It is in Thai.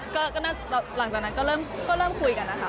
ก็น่าจะหลังจากนั้นก็เริ่มคุยกันนะคะ